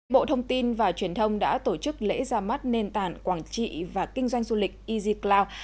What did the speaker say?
bộ thông tin và truyền thông đã tổ chức lễ ra mắt nền tảng quảng trị và kinh doanh du lịch easycloud